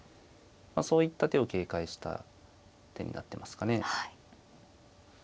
そういった手を警戒した手になってますかね。